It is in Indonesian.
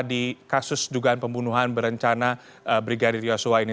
di kasus dugaan pembunuhan berencana brigadir yosua ini